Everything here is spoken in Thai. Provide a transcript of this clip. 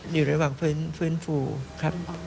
อยู่ระหว่างฟื้นฟูครับ